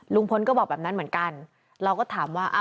ลุงพลก็บอกแบบนั้นเหมือนกันเราก็ถามว่า